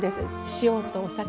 塩とお酒と。